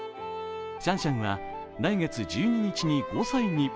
シャンシャンは来月１２日に５歳に。